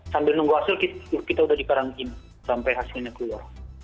sambil nunggu hasil kita sudah diparangin sampai hasilnya keluar